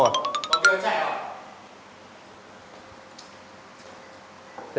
bây giờ mày như nào